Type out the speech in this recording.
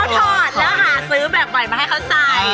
ให้เขาถอดแต่หาซื้อแบบใหม่มาให้เขาใส่